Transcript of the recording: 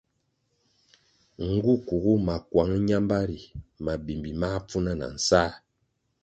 Nğu kuğu makuang ñambari mabimbi máh pfuna na nsáh.